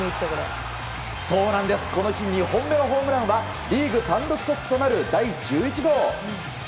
この日、２本目のホームランはリーグ単独トップとなる第１１号。